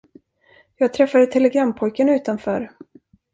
Jag träffade telegrampojken utanför.